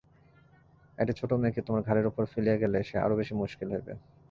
একটি ছোটো মেয়েকে তোমার ঘাড়ের উপর ফেলিয়া গেলে সে আরো বেশি মুশকিল হইবে।